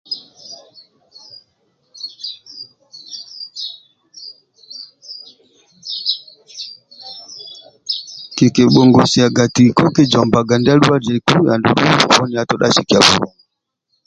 Kikibhongosiaga tiko kizombaga ndia alwaziku nandiki poni atodha asikia buhyaka